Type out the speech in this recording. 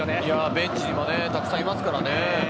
ベンチにもたくさんいますからね。